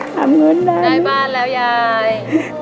ปลูกบ้านแล้วยาย